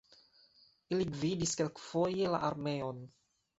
Ili gvidis kelkfoje la armeon.